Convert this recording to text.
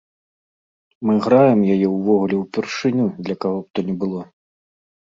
Мы граем яе ўвогуле ўпершыню для каго б то ні было.